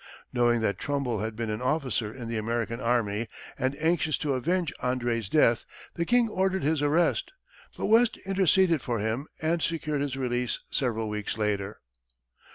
Knowing that Trumbull had been an officer in the American army, and anxious to avenge André's death, the King ordered his arrest, but West interceded for him and secured his release several weeks later.